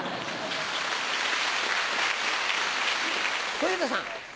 小遊三さん。